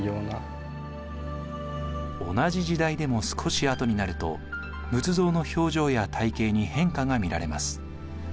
同じ時代でも少しあとになると仏像の表情や体形に変化が見られます。